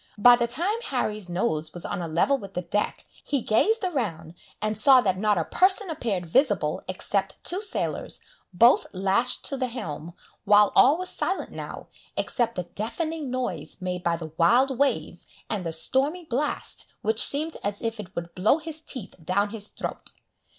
By the time Harry's nose was on a level with the deck, he gazed around, and saw that not a person appeared visible except two sailors, both lashed to the helm, while all was silent now, except the deafening noise made by the wild waves and the stormy blast, which seemed as if it would blow his teeth down his throat.